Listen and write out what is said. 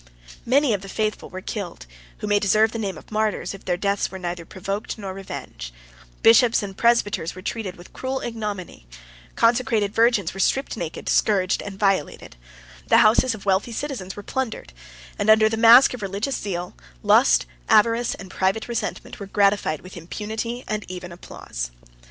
Many of the faithful were killed; who may deserve the name of martyrs, if their deaths were neither provoked nor revenged; bishops and presbyters were treated with cruel ignominy; consecrated virgins were stripped naked, scourged and violated; the houses of wealthy citizens were plundered; and, under the mask of religious zeal, lust, avarice, and private resentment were gratified with impunity, and even with applause.